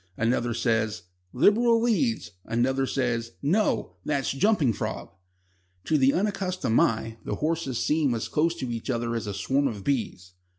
Another says: "Liberal leads." Another says: "No; that's Jumping Frog." To the unaccustomed eye the horses seem as close to each other as a swarm of bees.